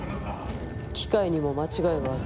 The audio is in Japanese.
機械にも間違いはある。